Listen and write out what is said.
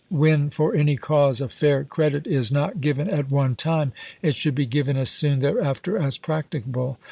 When for any cause a fair credit is not given at one time, it should be given as soon thereafter as practi cable.